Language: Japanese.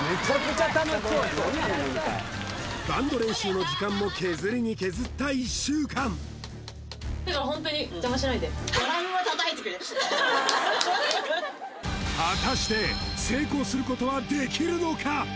バンド練習の時間も削りに削った１週間てかホントに果たして成功することはできるのか？